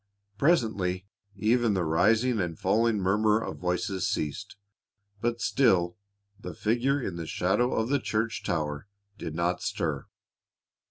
Presently, even the rising and falling murmur of voices ceased, but still the figure in the shadow of the church tower did not stir.